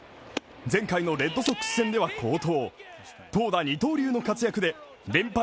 前回のレッドソックス戦では好投し、投打二刀流の活躍で連敗